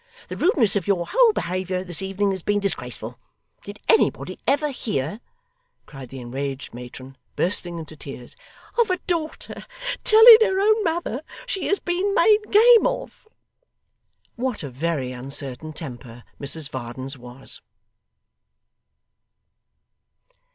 The rudeness of your whole behaviour this evening has been disgraceful. Did anybody ever hear,' cried the enraged matron, bursting into tears, 'of a daughter telling her own mother she has been made game of!' What a very uncertain temper Mrs Varden's was!